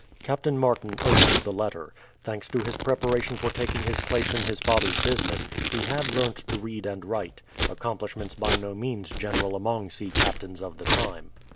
Captain Martin opened the letter. Thanks to his preparation for taking his place in his father's business, he had learnt to read and write; accomplishments by no means general among sea captains of the time.